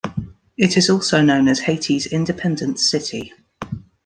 It is also known as Haiti's "independence city".